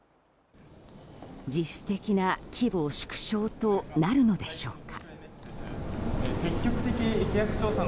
実質的な規模縮小となるのでしょうか。